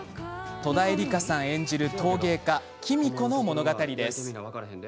戸田恵梨香さん演じる陶芸家・喜美子の物語です。